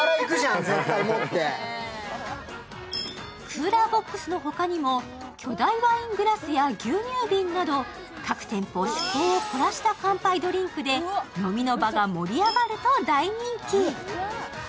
クーラーボックスの他にも巨大ワイングラスや牛乳瓶など各店舗、趣向を凝らした乾杯ドリンクで飲みの場が盛り上がると大人気。